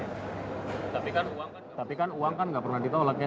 tapi kan uang kan gak pernah ditolak ya